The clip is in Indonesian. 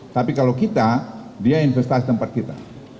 tapi kalau kita dia investasi tempat kita